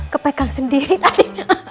kepegang sendiri tadi